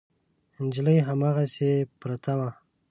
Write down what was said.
نجلۍ هماغسې پرته وه.